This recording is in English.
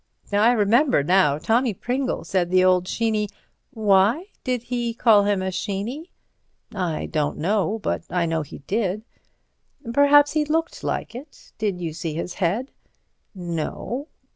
"I remember now. Tommy Pringle said the old Sheeny—" "Why did he call him a Sheeny?" "I don't know. But I know he did." "Perhaps he looked like it. Did you see his head?" "No."